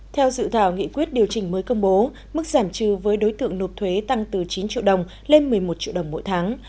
theo dự thảo nghị quyết điều chỉnh mới công bố mức giảm trừ với đối tượng nộp thuế tăng từ chín triệu đồng lên một mươi một triệu đồng mỗi tháng